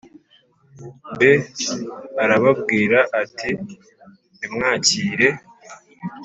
Be arababwira ati nimwakire